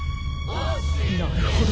なるほど！